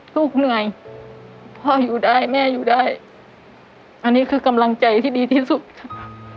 ลูกเหนื่อยพ่ออยู่ได้แม่อยู่ได้อันนี้คือกำลังใจที่ดีที่สุดค่ะ